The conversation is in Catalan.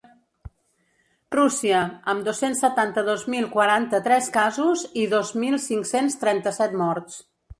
Rússia, amb dos-cents setanta-dos mil quaranta-tres casos i dos mil cinc-cents trenta-set morts.